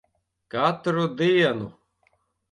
Katru dienu.